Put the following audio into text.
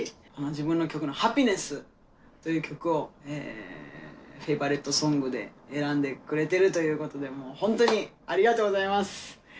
自分の「ハピネス」という曲をフェイバリットソングに選んでくれているということで本当にありがとうございます。